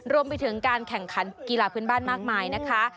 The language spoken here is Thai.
รวมไปถึงการแข่งขันกีฬาพื้นบ้านมากมายนะคะ